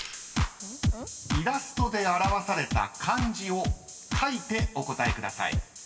［イラストで表された漢字を書いてお答えください］